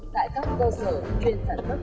tại các cơ sở chuyên sản xuất khẩu trang